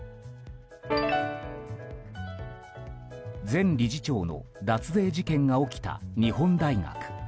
前理事長の脱税事件が起きた日本大学。